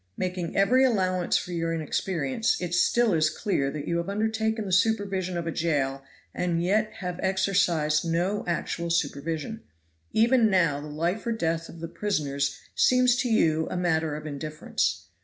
Making every allowance for your inexperience, it still is clear that you have undertaken the supervision of a jail and yet have exercised no actual supervision; even now the life or death of the prisoners seems to you a matter of indifference.